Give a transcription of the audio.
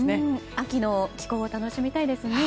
秋の気候を楽しみたいですね。